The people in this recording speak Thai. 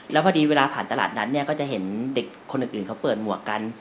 แล้วพอดีเวลาผ่านตลาดนั้นเนี่ยก็จะเห็นเด็กคนอื่นเขาเปิดหมวกกัน